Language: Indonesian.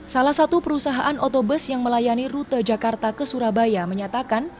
salah satu perusahaan otobus yang melayani rute jakarta ke surabaya menyatakan